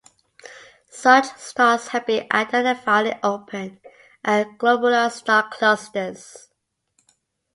Such stars have been identified in open and globular star clusters.